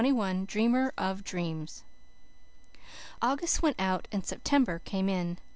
DREAMERS OF DREAMS August went out and September came in.